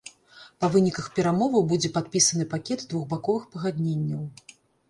Па выніках перамоваў будзе падпісаны пакет двухбаковых пагадненняў.